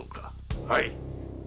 はい。